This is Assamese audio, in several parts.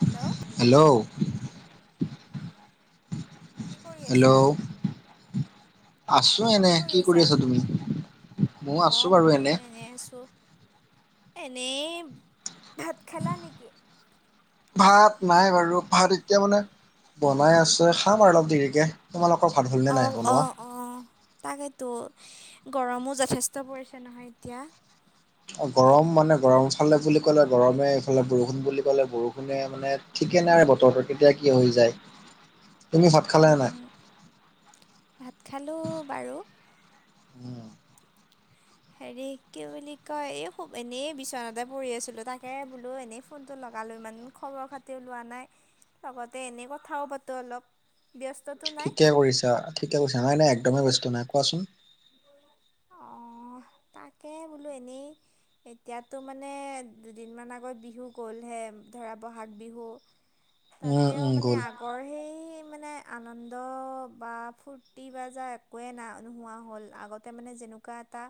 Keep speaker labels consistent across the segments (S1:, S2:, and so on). S1: হেল্ল'
S2: হেল্ল',
S1: কি কৰি আছা?
S2: হেল্ল' আছো এনে, কি কৰি আছা তুমি? ময়ো
S1: অ,
S2: আছো বাৰু এনে
S1: ময়ো এনেই আছো। এনেই, ভাত খালা নেকি?
S2: ভাত, নাই বাৰু ভাত এতিয়া মানে', বনাই আছে খাম আৰু অলপ দেৰিকে, তোমালোকৰ ভাত হ'ল নে নাই বনোৱা?
S1: অঁ', তাকেতো গৰমো যথেষ্ট পৰিছে নহয় এতিয়া',
S2: অ', গৰম মানে গৰম এইফালে বুলি ক'লে গৰমে, এইফালে বৰষুণ বুলি ক'লে বৰষুণে মানে', ঠিকেনে আৰু বতৰটোৰ কেতিয়া কি হৈ যায়',
S1: [unintelligible]
S2: তুমি ভাত খালা নে নাই?
S1: উম, ভাত খালোঁ বাৰু',
S2: উম',
S1: হেৰি কি বুলি কয়, এই শুব এনেই বিচনাতে পঢ়ি আছিলোঁ তাকে বোলো এনেই ফো', নটো লগালোঁ, ইমানদিন খবৰ খাতিও লোৱা নাই লগতে এনে কথাও পাতো অলপ', ব্যস্ততো নাই।
S2: ঠিকে কৰিছা, ঠিকে কৰিছা, নাই নাই একদমেই ব্যস্ত নাই কোৱাচোন',
S1: অঁ', তাকে বোলো এনেই', এতিয়াতো মানে দুদিনমান আগত বিহু গ'লহে ধৰা বহাগ বিহু',
S2: উম
S1: তাতেও
S2: উম
S1: মানে
S2: গ'ল
S1: আগ', বৰ সেই মানে আনন্দ বা ফূৰ্তি বা যাৰ একোৱেই নাই নোহোৱা হ'ল আগত', মানে যেনেকুৱা এটা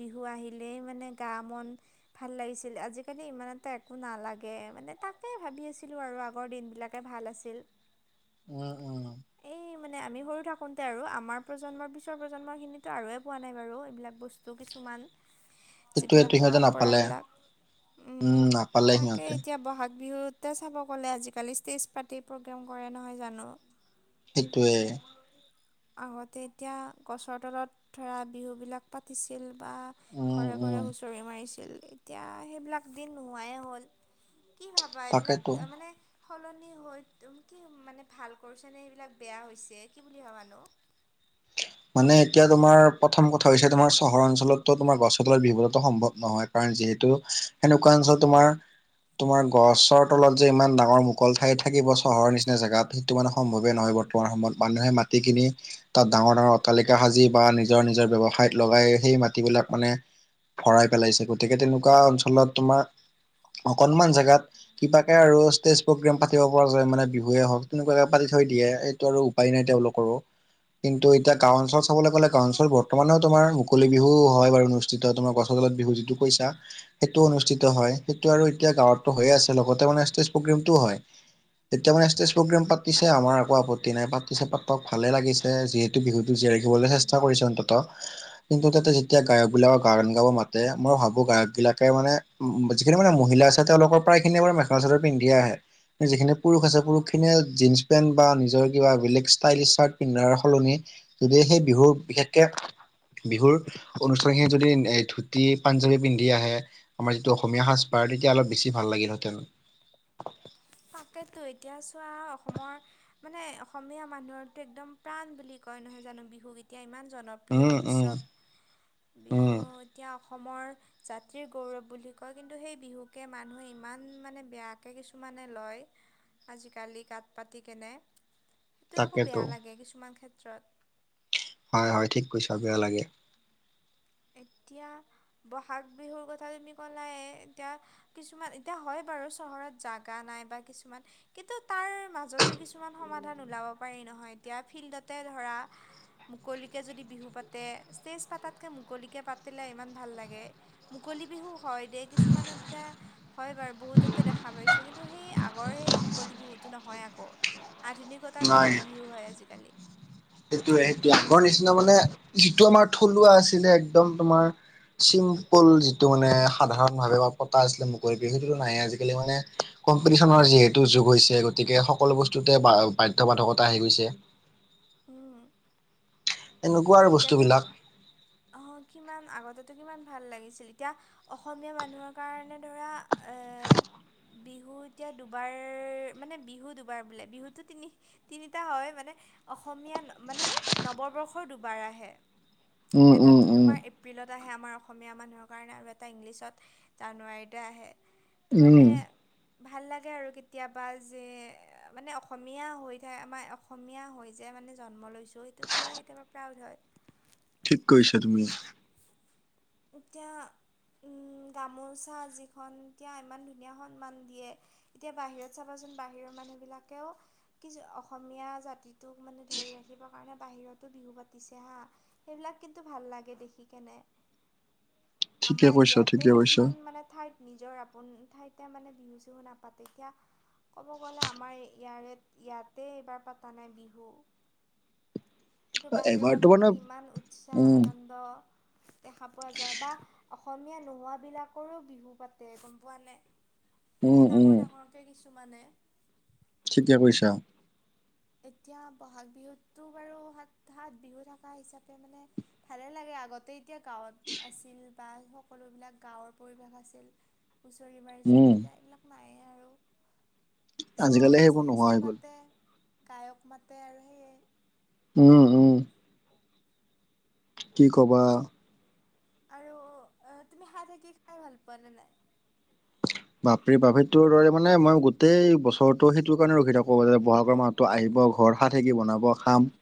S1: বিহু আহিলেই মানে গা মন', ভাল লাগিছিল আজিকালি ইমান এটা একো নালাগে মানে তাকে ভাবি আছিলো আৰু আগৰ দিন বিলাক। তাকে ভাল আছিল।
S2: উম উম
S1: এই মানে আমি সৰু থাকোতে আৰু আমাৰ প্ৰজন্মৰ পিয়াও প্ৰজন্ম খিনিতো আৰু- পোৱা নাই বাৰু এইবিলাক বস্তু কিছুমান।
S2: সেইটোৱেটো
S1: যিবিলাক
S2: সিহঁতে নাপালে
S1: পৰম্পৰাবিলাক,
S2: উম
S1: হম',
S2: নাপালে
S1: তাকে
S2: সিহঁতে
S1: এতিয়া বহাগ বিহুত', তাতে চাব গ'লে আজিকালি ষ্টেজ পাৰ্টি প্ৰগ্ৰাম কৰে নহয় জানোঁ',
S2: সেইটোৱে',
S1: আগতে এতিয়া গছৰ তলত ধৰা বিহুবিলাক', পাতিছিল বা
S2: উম
S1: ঘৰে
S2: উম
S1: ঘৰে হুঁচৰি মাৰিছিল', এতিয়া সেইবিলাক দিন নোহোৱাই হ'ল, কি ভাবা এইবিলাক
S2: তাকেতো
S1: মানে', সলনি হৈ, তুমি কি মানে ভাল কৰিছা নে এইবিলাক বেয়া হৈছে কি বুলি ভাবা নো?
S2: মানে এতিয়া তোমাৰ প্ৰথম কথা হৈছে তোমাৰ চহৰ অঞ্চলতো তোমাৰ গছ তলৰ বিহু বোৰতো সম্ভৱ নহয়', কাৰণ যিহেতু সেনেকুৱা অঞ্চল তোমাৰ', তোমাৰ গছৰ তলত যে ইমান ডাঙৰ মুকল ঠাই থাকিব চহৰৰ নিচিনা জেগাত- সেইটো মানে সম্ভৱেই নহয় বৰ্তমান সময়ত মানুহে মাটি কিনি- তাত ডাঙৰ ডাঙৰ অটালিকা সাজি বা নিজৰ নিজৰ ব্যৱসায়ত লগাই সেই মাটিবিলাক মানে- ভৰাই পেলাইছে, গতিকে তেনেকুৱা অঞ্চলত তোমাৰ অকনমান জেগাত- কিবাকে আৰু ষ্টেজ প্ৰগ্ৰেম পাতিব পৰা যায় মানে বিহুৱে হওক তেনেকুৱাকে পাতি থৈ দিয়ে এইটো আৰু- উপাই নাই তেওঁলোকৰো, কিন্তু এতিয়া গাঁও অঞ্চল চাবলৈ গ'লে গাওঁ
S1: এতিয়া
S2: অঞ্চলত ব- বৰ্তমানেও তোমাৰ মুকলি বিহু হয় বাৰু অনুষ্ঠিত হয় তোমাৰ গছতলত বিহু যিটো কৈছা সেইটো অনুষ্ঠিত হয়, সেইটো আৰু এতিয়া গাঁৱতটো হৈয়ে আছে লগতে মানে ষ্টেজ প্ৰগ্ৰেমটো হয়। এতিয়া মানে ষ্টেজ প্ৰগ্ৰেম পাতিছে, আমাৰ একো আপত্তি নাই পাতিছে পাতক ভালে লাগিছে। যিহেতু বিহুটো জীয়াই ৰাখিবলৈ চেষ্টা কৰিছে অন্তত। কিন্তু তাতে যেতিয়া গায়ক বিলাকক গান গাব মাত - তে, মই ভাবো গায়ক বিলাকে মানে যিখিনি মানে মহিলা আছে তেওঁলোকৰ প্ৰায়খিনিয়ে মেখেলা চাদৰ পিন্ধিয়ে আহে। যিখিনি পুৰুষ আছে
S1: অঁ
S2: পুৰুষখিনিয়ে জীন্ছ পেন্ট বা নিজৰ কিবা বেলেগ ষ্টাইলী চাৰ্ট- পিন্ধাৰ সলনি যদি সেই বিহুৰ বিশেষকে- বিহুৰ অনুষ্ঠানখিনি যদি এ ধুতি পাঞ্জাৱী পিন্ধি আহে। আমাৰ যিটো অসমীয়া সাজপাৰ তেতিয়া অলপ বেছি ভাল লাগিলহেঁতেন।
S1: [inaudible] তাকেটো এতিয়া চোৱা অসমৰ মানে অসমীয়া মানুহৰো এক্দম প্ৰাণ বুলি কয় নহয় জানোঁ বিহুগ এতিয়া ইমান জনপ্ৰিয় প্ৰিয়
S2: উম উম
S1: উৎসৱ বিহু
S2: উম
S1: এতিয়া অসমৰ জাতিৰ গৌৰৱ বুলি কয় কিন্তু সেই বিহুকে মানুহে ইমান মানে বেয়াকে কিছুমানে লয় আজিকালি গাত পাতি কেনে। সেইটোৱে আকৌ
S2: তাকেতো
S1: বেয়া লাগে কিছুমান ক্ষেত্ৰত।
S2: হয় হয় ঠিক কৈছ বেয়া লাগে।
S1: এতিয়া ব'হাগ বিহুৰ কথা তুমি ক'লাই এতিয়া কিছুমান এতিয়া হয় বাৰু চহৰত জাগা নাই বা কিছুমান কিন্তু তাৰ মাজতো কিছুমান সমাধান ওলাব পাৰি নহয় এতিয়া ফিল্ডতে ধৰা মুকলিকে যদি বিহু পাতে ষ্টেজ পাতাত তে মুকলিকে পাতিলে ইমান ভাল লাগে মুকলি বিহু হয় দে কিছুমান এতিয়া হয় বাৰু বহুততে দেখা পাইছোঁ কিন্তু সেই আগৰ সেই মুকলি বিহুটো নহয় আকৌ। আধুনিকতাৰ মুকলি বিহু হয় আজিকালি।
S2: সেইটোৱে সেইটোৱে আগৰ নিচিনা মানে যিটো আমাৰ থলুৱা আছিলে একদম তোমাৰ চিম্পল যিটো মানে সাধাৰণ ভাৱে বা পতা আছিলে মুকলি সেইটোতো নাই আজিকালি মানে কম্পিটিশনৰ যিহেতু যুগ হৈছে গতিকে সকলো বস্তুতে বাধ্য বাধকতা আহি গৈছে।
S1: উম।
S2: এনেকুৱা আৰু
S1: এতিয়াতো
S2: বস্তুবিলাক
S1: আহ কিমান আগতে কিমান ভাল লাগিছিল এতিয়া- অসমীয়া মানুহৰ কাৰণে ধৰা এ বিহু এতিয়া দুবাৰ মানে বিহু দুবাৰ বোলে বিহুতো তিনি তিনিটা হয় মানে অসমীয়া মানে নৱবৰ্ষৰ দু বাৰ আহে
S2: উম
S1: এটা
S2: উম
S1: টো
S2: উম
S1: তোমাৰ এপ্ৰিলত আহে আমাৰ অসমীয়া মানুহৰ কাৰণে আৰু এটা ইংলিছত তাৰ জানুৱাৰিতে আহে। ত মানে
S2: উম
S1: ভাল লাগে আৰু কেতিয়াবা যে মানে অসমীয়া হৈ থাক আমাৰ অসমীয়া হৈ যে মানে জন্ম লৈছোঁ সেইটোক লৈ কেতিয়াবা প্ৰাউড হয়।
S2: ঠিক কৈছা তুমি।
S1: এতিয়া গামোচা যিখন এতিয়া ইমান ধুনীয়া সন্মান দিয়ে। এতিয়া বাহিৰত চাবাচোন বাহিৰৰ মানুহবিলাকেও কি অসমীয়া জাতিটোক মানে ধৰি ৰাখিবৰ কাৰণে বাহিৰতো বিহু পাতিছে হা। সেইবিলাক কিন্তু ভাল লাগে দেখি কেনে।
S2: ঠিকে
S1: আমাৰ
S2: কৈছা
S1: ইয়াতে
S2: ঠিকে কৈছা
S1: কিছুমান মানে ঠাইত নিজৰ আপোন ঠাইতে মানে বিহু চিহু নাপাতে এতিয়া ক'ব গ'লে আমাৰ ইয়াৰে ইয়াতে এইবাৰ পতা নাই বিহু। কিন্তু বাহিৰৰ
S2: এবাৰতো মানে
S1: মানুহখিনি ইমান উৎসাহ
S2: উম
S1: আনন্দ দেখা পোৱা যায় বা অসমীয়া নোহোৱা বিলাকৰো বিহু পাতে গম পোৱা নাই।
S2: উম
S1: ডাঙৰ
S2: উম
S1: ডাঙৰকে কিছুমানে।
S2: ঠিকে কৈছা।
S1: এতিয়া ব'হাগ বিহুততো বাৰু সাত সাত বিহু থকা হিচাপে মানে ভালে লাগে আগতে। এতিয়া গাঁৱত আছিল বা সকলোবিলাক গাঁৱৰ পৰিৱেশ আছিল। হুঁচৰি মাৰিছিল
S2: উম
S1: এতিয়া এইবিলাক নায়েই আৰু। চ'ব
S2: আজিকালি সেইবোৰ নোহোৱা
S1: ষ্টেজটো
S2: হৈ গ'ল
S1: পাতে গায়ক মাতে আৰু সেয়ে।
S2: উম উম। কি ক'বা।
S1: আৰু তুমি হাত থাকি খাই ভাল পোৱা নে নাই?
S2: বাপৰে বাপ সেইটোৰ দৰে মানে মই গোটেই বছৰৰতো সেইটো কাৰণে ৰখি থাকো বহাগৰ মাহ- তো আহিব ভৰখা থাকিব বনাব খাম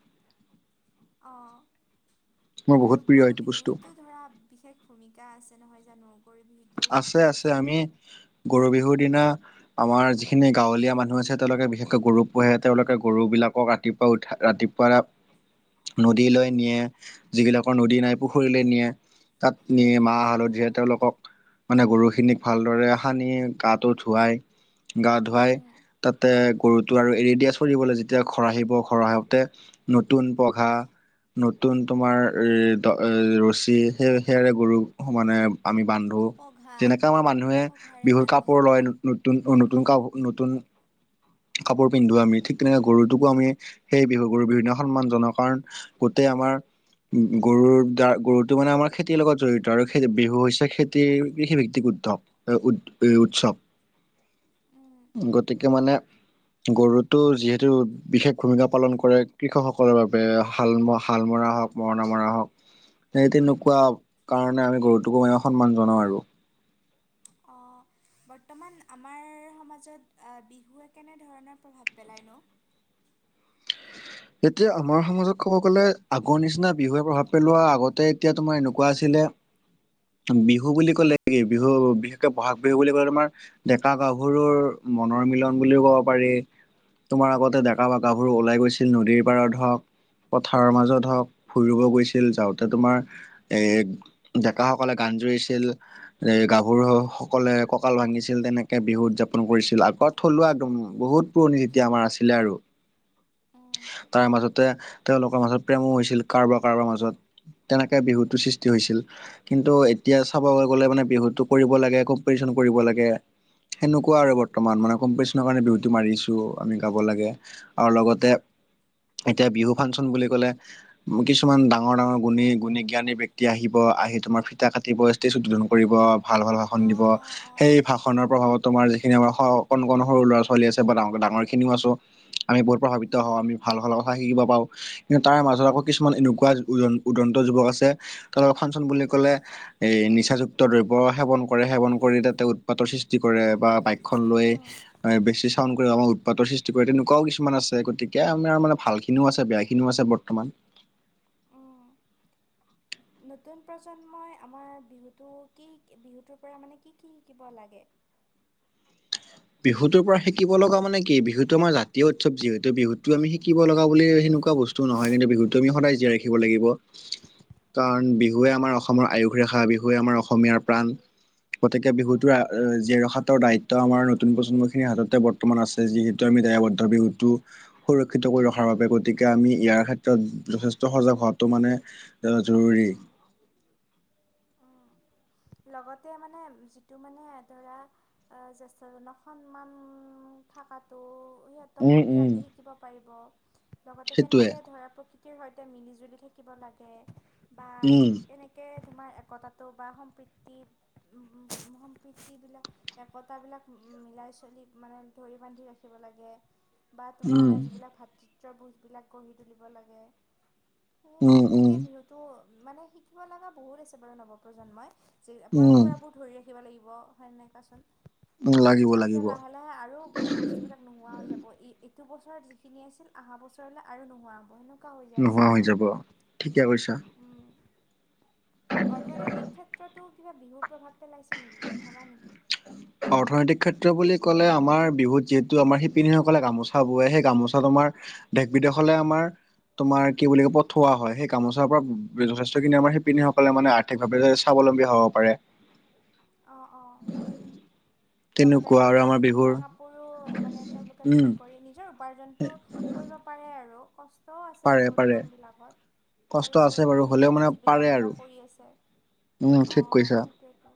S1: অ
S2: মোৰ বহুত
S1: আৰু
S2: প্ৰিয়
S1: গৰু
S2: এইটো বস্তু
S1: বিহুতো ধৰা বিশেষ ভূমিকা আছে নহয় জানোঁ।
S2: আছে আছে, আমি গৰু বিহুৰ দিনা- আমাৰ যিখিনি গাঁৱলীয়া মানুহ আছে তেওঁলোকে বিশেষকৈ গৰু পোহে তেওঁলোকে গৰু বিলাকক- ৰাতিপুৱা উঠা ৰাতিপুৱা-
S1: [inaudible]
S2: নদীলৈ
S1: উম
S2: নিয়ে, যিবিলাকৰ নদী নাই পুখুৰীলৈ নিয়ে। তাত নি মাহ হালধিৰে
S1: উম
S2: তেওঁলোকক- মানে গৰুখিনিক ভালদৰে সানি গাটো ধুৱাই গা ধুৱাই- তাতে গৰুটো আৰু এৰি দিয়া চৰিবলে যেতিয়া ঘৰ আহিব ঘৰ আহোতে- নতুন পঘা- নতুন তোমাৰ এ দ ৰছী সেই সেয়াৰে গৰু মানে- আমি বান্ধো
S1: পঘা
S2: যেনেকে আমাৰ মানুহে
S1: পঘাৰে
S2: বিহুৰ
S1: বান্ধে
S2: কাপোৰ লয় নতুন নতুন কাপোৰ নতুন- কাপোৰ পিন্ধো আমি ঠিক তেনেকে গৰুটোকো আমি সেই বিহু গৰু বিহুনে সন্মান জনক কাৰণ - গোটেই আমাৰ উম গৰুৰ দাৰ গৰুটো মানে আমাৰ খেতিৰ লগত জড়িত আৰু খেতি বিহু হৈছে। খেতি কৃষিভিত্তিক উৎসৱ উ উৎসৱ। গতিকে মানে- গৰুটো যিহেতু বিশেষ ভূমিকা পালন কৰে কৃষকসকলৰ বাবে হাল হাল মৰা হওক- মৰণা মৰা হওক সেই তেনেকুৱা কাৰণে আমি গৰুটোকো আমি সন্মান জনাওঁ আৰু।
S1: অঁ বৰ্তমান আমাৰ সমাজত বিহুৱে কেনেধৰণৰ প্ৰভাৱ পেলায় ন।
S2: এতিয়া আমাৰ সমাজক কব গলে আগৰ নিচিনা বিহুৱে প্ৰভাৱ পেলোৱাৰ আগতে এতিয়া তোমাৰ এনেকুৱা আছিলে। বিহু বুলি ক'লে কি বিহু বিশেষকে বহাগ বিহু বুলি ক'লে তোমাৰ- ডেকা গাভৰুৰ মনৰ মিলন বুলিও কব পাৰি। তোমাৰ আগতে ডেকা বা গাভোৰ ওলাই গৈছিল নদীৰ পাৰত ধৰক। পথাৰৰ মাজত হওক ফুৰিব গৈছিল, যাওঁতে তোমাৰ - এৰ ডেকাসকলে গান জুৰিছিল। এই গাভৰু সকলে কঁকাল ভাঙিছিল তেনেকে বিহু উদযাপন কৰিছিল আগত। থলুৱা একদম বহুত পুৰণি যেতিয়া আমাৰ আছিলে আৰু।
S1: অঁ
S2: তাৰ মাজতে তেওঁলোকৰ মাজত প্ৰেমো হৈছিল কাৰোবাৰ কাৰোবাৰ মাজত। তেনেকে বিহুতো সৃষ্টি হৈছিল। কিন্তু এতিয়া চাবলৈ গ'লে মানে বিহুটো কৰিব লাগে কম্পিটিশন কৰিব লাগে। সেনেকুৱা আৰু বৰ্তমান মানে কম্পিটিশনৰ কাৰণে বিহুটো মাৰিছো আমি গাব লাগে আৰু লগতে- এতিয়া বিহু ফাংচন বুলি কলে। কিছুমান ডাঙৰ ডাঙৰ গুণী গুণী জ্ঞানী ব্যক্তি আহিব আহিব তোমাৰ ফিতা কাটিব ষ্টেজ উদ্বোধন কৰিব। ভাল ভাল ভাষণ দিব
S1: অঁ
S2: সেই
S1: অঁ
S2: ভাষণৰ
S1: অঁ
S2: প্ৰভাৱত তোমাৰ যিখিনি আমাৰ হওঁক। কণ কণ সৰু ল'ৰা ছোৱালী আছে বা তেওঁৰ ডাঙৰ খিনিও আছো আমি বহুত প্ৰভাৱিত
S1: উম
S2: হওঁ আমি ভাল- হা শিকিব পাৰো। কিন্তু তাৰ মাজত আকৌ
S1: উম
S2: কিছুমান এনেকুৱা উদন উদন্ত যুৱক আছে তাৰ লগত ফাংচন বুলি কলে- এই নিচাযুক্ত দ্ৰব্য সেৱন কৰে সেৱন কৰি তাতে উৎপাতৰ সৃষ্টি কৰে বা বাক্য - লৈ বেছি চাউন আমাৰ উৎপাতৰ সৃষ্টি কৰে তেনেকুৱাও কিছুমান আছে গতিকে - এতিয়া আমাৰ মানে ভাল খিনিও আছে, বেয়াখিনিও আছে বৰ্তমান।
S1: উম নতুন প্ৰজন্মই আমাৰ বিহুটো কি শ বিহুটোৰ পৰা মানে কি কি শিকিব লাগে।
S2: বিহুতৰ পৰা শিকিব লগা মানে কি বিহুটো আমাৰ জাতীয় উৎসৱ যিহেতু বিহুটো আমি শিকিব লগা বুলি সেনেকুৱা বস্তু- টো নহয় কিন্তু বিহুত আমি সদায় জীয়াই ৰাখিব লাগিব।
S1: [inaudible]
S2: কাৰণ বিহুৱে আমাৰ অসমৰ আয়ুস ৰেখা বিহুৱে আমাৰ অসমীয়াৰ প্ৰাণ। গতিকে
S1: উম
S2: বিহুটোৰ আঁ জীয়াই ৰখাতৰ দায়িত্ব আমাৰো - নতুন প্ৰজন্ম খিনি হাততে বৰ্তমান আছে যিহেতু আমি দায়াবদ্ধ বিহুটো সুৰক্ষিত কৰি ৰখাৰ বাবে গতিকে আমি ইয়াৰ ক্ষেত্ৰত যথেষ্ট সজাগ হোৱাটো মানে। অ জৰুৰী।
S1: উম উম লগতে মানে যিটো মানে ধৰা জ্যেষ্ঠজনক সন্মান থাকাটো
S2: উম উম
S1: সিহঁতে শিকিব পাৰিব। লগতে
S2: সেইটোৱে
S1: কেনেকে ধৰা প্ৰকৃতি ৰ সৈতে মিলি জুলি থাকিব লাগে বা
S2: উম
S1: কেনে কে তোমাৰ একতাটো বা সম্প্ৰীতি সম্প্ৰীতিবিলাক একতাবিলাক মিলাই চলি মানে ধৰি বান্ধি ৰাখি ৰাখিব লাগে। বা
S2: উম
S1: তোমাৰ যিবিলাক ভাতৃত্বৰ বোধবিলাক গঢ়ি তুলিব লাগে। সে
S2: উম উম
S1: তেনেকে বিহুটো মানে শিকিব লগা বহুত আছে বাৰু নৱপ্ৰজন্মই।
S2: উম
S1: পৰম্পৰাবোৰ ধৰি ৰাখিব লাগিব। হয় নে নাই কোৱাচোন?
S2: উম লাগিব
S1: এতিয়া
S2: লাগিব
S1: লাহে- লাহে আৰু বস্তুবিলাক নোহোৱা হৈ যাব, ই এইটো বছৰত যিখিনি আছিল অহা বছৰলৈ আৰু নোহোৱা হ'ব হয় না নহয়। কম হৈ যাই আছে
S2: নোহোৱা হৈ যাব। ঠিকে কৈছা।
S1: ন উম। অৰ্থনৈতিক ক্ষেত্ৰতো কিবা বিহু প্ৰভাৱ পেলাইছে নেকি? ভাবা নেকি?
S2: অৰ্থনৈতিক ক্ষেত্ৰ বুলি ক'লে আমাৰ বিহুত যিহেতু আমাৰ শিপিনীসকলে গামোচা বোৱে সেই গামোচাটো আমাৰ দেশ বিদেশলে আমাৰ তোমাৰ কি বুলি কয় পঠোৱা হয়, সেই গামোচাৰ পৰা যথেষ্টখিনি আমাৰ সেইপিনসকলে মানে আৰ্থিকভাৱে স্বাৱলম্বী হ'ব পাৰে।
S1: অ অ। লগতে
S2: তেনেকুৱা আৰু
S1: পাট
S2: আমাৰ বিহুৰ
S1: মুগা কাপোৰো মানে তেওঁলোকে
S2: উম
S1: বিক্ৰী কৰি নিজৰ উপাৰ্জনটো কৰিব পাৰে আৰু ক ষ্ট আছে
S2: পাৰে
S1: বহুত
S2: পাৰে
S1: কামবিলাকত
S2: কষ্ট
S1: তাৰ
S2: আছে
S1: উপৰিও
S2: বাৰু হ'লেও
S1: সেনেকেইতো
S2: মানে পাৰে
S1: জীৱিকা
S2: আৰু
S1: নিৰ্বাহ কৰি আছে।
S2: উম ঠিক
S1: অহ
S2: কৈছা
S1: সেইটোৱেতো।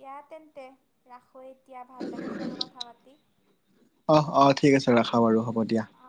S1: দিয়া তেন্তে ৰাখোঁ এতিয়া ভাল লাগিল বাৰু কথা পাতি।
S2: অ অ ঠিক আছে ৰাখা বাৰু হ'ব দিয়া।
S1: অ।